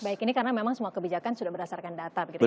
baik ini karena memang semua kebijakan sudah berdasarkan data begitu ya